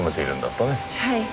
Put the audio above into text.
はい。